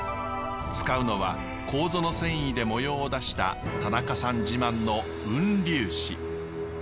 使うのはこうぞの繊維で模様を出した田中さん自慢の雲龍紙。